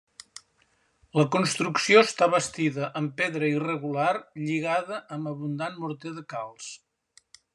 La construcció està bastida amb pedra irregular lligada amb abundant morter de calç.